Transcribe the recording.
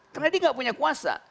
karena dia gak punya kuasa